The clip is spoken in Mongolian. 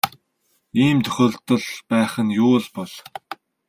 Ийм тохиолдол байх нь юу л бол.